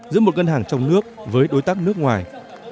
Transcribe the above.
giữa một ngân hàng trong nước với đối tác nước ngoài